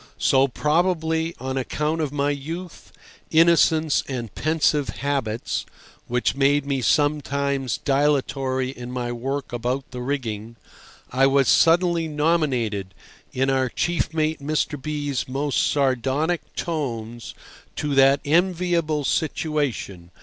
So, probably on account of my youth, innocence, and pensive habits (which made me sometimes dilatory in my work about the rigging), I was suddenly nominated, in our chief mate Mr. B—'s most sardonic tones, to that enviable situation.